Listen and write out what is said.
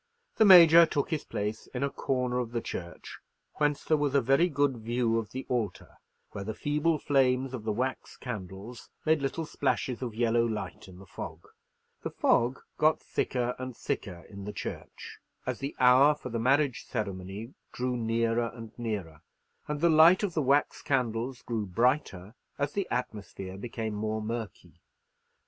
The Major took his place in a corner of the church whence there was a very good view of the altar, where the feeble flames of the wax candles made little splashes of yellow light in the fog. The fog got thicker and thicker in the church as the hour for the marriage ceremony drew nearer and nearer, and the light of the wax candles grew brighter as the atmosphere became more murky.